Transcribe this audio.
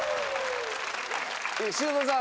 修造さん